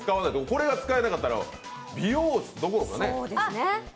これが使えなかったら美容室どころか、ね。